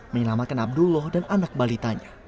menyelamatkan abdullah dan anak balitanya